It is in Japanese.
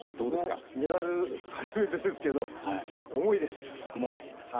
僕もメダル、初めてですけど重いです。